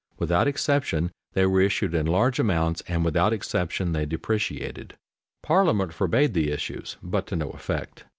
Without exception they were issued in large amounts and without exception they depreciated. Parliament forbade the issues, but to no effect.